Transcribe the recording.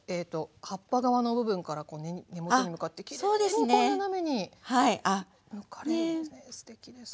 葉っぱ側の部分から根元に向かってきれいにこう斜めにむかれるんですね